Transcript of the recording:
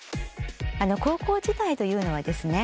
高校時代というのはですね